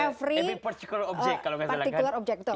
every particular object kalo gak salahkan